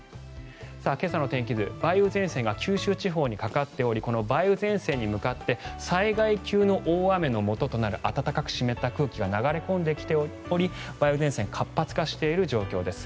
今朝の天気図、梅雨前線が九州地方にかかっておりこの梅雨前線に向かって災害級の大雨のもととなる暖かく湿った空気が流れ込んできており梅雨前線が活発化している状況です。